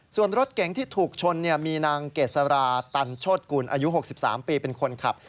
ส่วนรถเก๋งที่ถูกชนมีนางเกษราตันโชธกุลอายุ๖๓ปีเป็นคนขับ